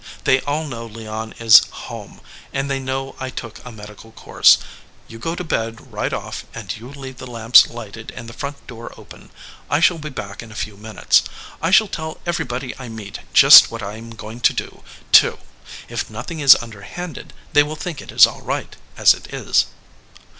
They all know Leon is home, and they know I took a medical course. You go to bed right off, and you leave the lamps lighted and the front door open. I shall be back in a few minutes. I shall tell everybody I meet just what I am going to do, too. If nothing is underhanded, they will think it is all right, as it is."